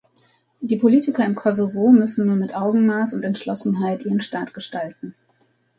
Die Politiker im Kosovo müssen nun mit Augenmaß und Entschlossenheit ihren Staat gestalten.